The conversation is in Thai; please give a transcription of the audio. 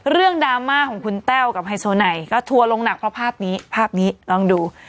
ดราม่าของคุณแต้วกับไฮโซไนก็ทัวร์ลงหนักเพราะภาพนี้ภาพนี้ลองดู